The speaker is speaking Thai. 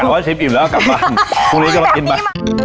แต่ว่าชิมอิ่มแล้วก็กลับบ้านพรุ่งนี้ก็มากินไป